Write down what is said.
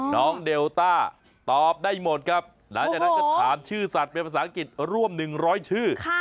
น้องเดลต้าตอบได้หมดครับหลังจากนั้นก็ถามชื่อสัตว์เป็นภาษาอังกฤษร่วม๑๐๐ชื่อ